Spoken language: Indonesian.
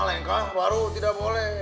malingkah baru tidak boleh